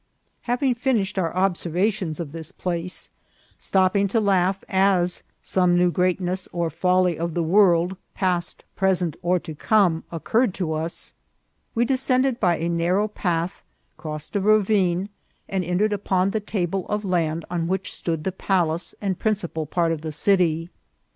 Having finished our observations at this place, stop ping to laugh as some new greatness or folly of the world, past, present, or to come, occurred to us, we descended by a narrow path, crossed a ravine, and entered upon the table of land on which stood the palace and principal part of the city.